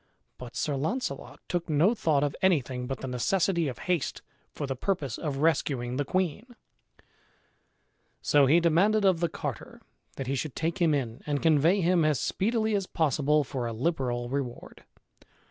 But Sir Launcelot took no thought of anything but the necessity of haste for the purpose of rescuing the queen; so he demanded of the carter that he should take him in and convey him as speedily as possible for a liberal reward.